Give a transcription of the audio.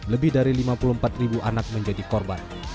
lebih dari lima puluh empat ribu anak menjadi korban